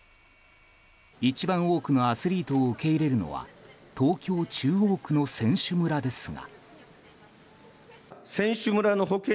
一番多くのアスリートを受け入れるのは東京・中央区の選手村ですが。